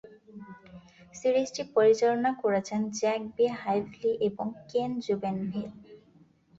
সিরিজটি পরিচালনা করেছেন জ্যাক বি. হাইভলি এবং কেন জুবেনভিল।